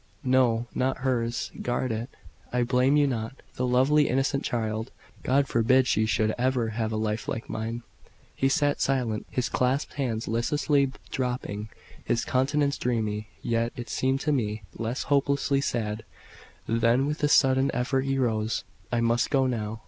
"No, not hers. Guard it. I blame you not. The lovely, innocent child! God forbid she should ever have a life like mine!" He sat silent, his clasped hands listlessly dropping, his countenance dreamy; yet, it seemed to me, less hopelessly sad: then with a sudden effort he rose. "I must go now."